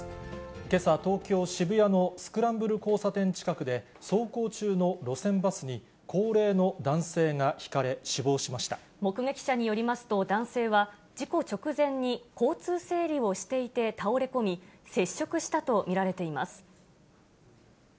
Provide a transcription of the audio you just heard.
けさ、東京・渋谷のスクランブル交差点近くで、走行中の路線バスに、高齢の男性がひかれ、死亡し目撃者によりますと、男性は事故直前に交通整理をしていて倒れ込み、接触したと見られています。